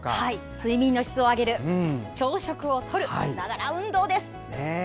睡眠の質を上げる朝食をとる、ながら運動です。